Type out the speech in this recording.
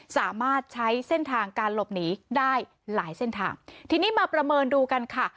สามารถใช้เส้นทางการหลบหนีได้หลายเส้นทางทีนี้มาประเมินดูกันค่ะ